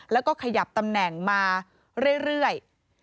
แล้วก็ขยับตำแหน่งมาเรื่อย